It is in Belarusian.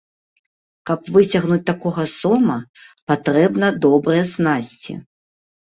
Каб выцягнуць такога сома, патрэбна добрыя снасці.